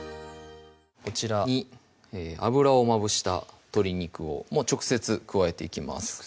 こちらに油をまぶした鶏肉をもう直接加えていきます